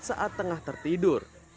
saat tengah tertidur